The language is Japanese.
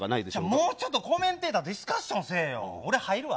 もうちょっとコメンテーターとディスカッションせえよ、俺入るわ。